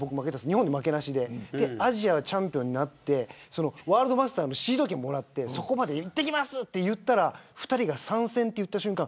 日本は負けなしでアジアではチャンピオンになってワールドマスターのシード権もらって、そこまで行ってきますと言ったら岡田さんと玉木さんが参戦した瞬間